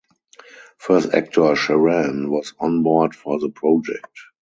First actor Sharan was on board for the project.